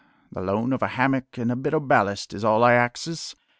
the loan of a hammock and a bit o' ballast is all I axes.